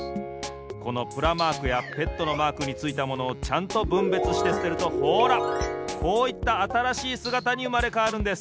このプラマークやＰＥＴのマークについたものをちゃんとぶんべつしてすてるとほらこういったあたらしいすがたにうまれかわるんです。